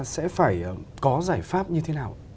sẽ phải có giải pháp như thế nào